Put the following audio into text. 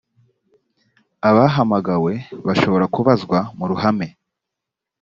abahamagawe bashobora kubazwa mu ruhame